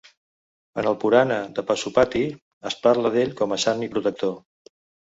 En el purana de Pasupati, es parla d'ell com a sant i protector.